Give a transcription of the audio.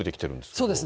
そうですね。